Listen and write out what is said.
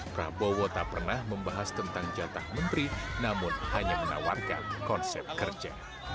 prabowo tak pernah membahas tentang jatah menteri namun hanya menawarkan konsep kerja